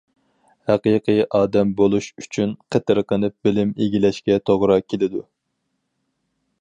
ھەقىقىي ئادەم بولۇش ئۈچۈن قېتىرقىنىپ بىلىم ئىگىلەشكە توغرا كېلىدۇ.